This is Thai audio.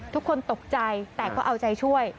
ทุกคนตกใจแต่ก็เอาใจช่วย